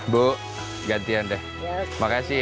bu gantian deh makasih